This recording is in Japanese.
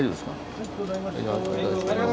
ありがとうございます。